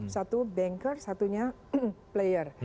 satu banker satunya player